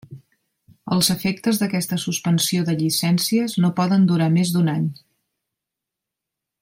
Els efectes d'aquesta suspensió de llicències no poden durar més d'un any.